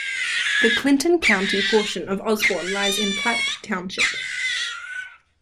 The Clinton County portion of Osborn lies in Platte Township.